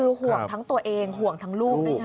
คือห่วงทั้งตัวเองห่วงทั้งลูก